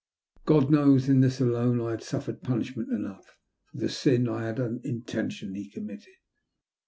God knows, in this alone I had suffered punishment enough for the sin I had unintentionally committed.